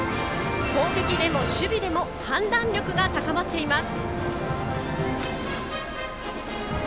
攻撃でも守備でも判断力が高まっています。